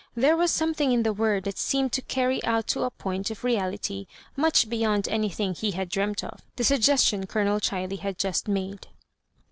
There was something in the word that seemed to cany out to a point of reality much beyond anything he had dreamt o^ the suggestion. Colonel Chiley had joflt ooade.